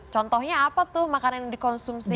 contohnya apa tuh makanan yang dikonsumsi